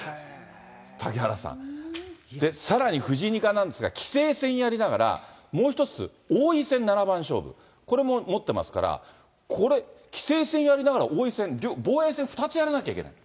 嵩原さん、さらに藤井二冠なんですが、棋聖戦やりながら、もう一つ、王位戦七番勝負、これも持ってますから、棋聖戦やりながら王位戦、防衛戦２つやらなきゃいけない。